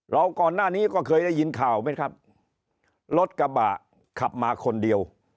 ก่อนหน้านี้ก็เคยได้ยินข่าวไหมครับรถกระบะขับมาคนเดียว